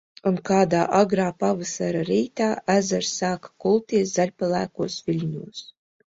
Un kādā agrā pavasara rītā, ezers sāka kulties zaļpelēkos viļņos.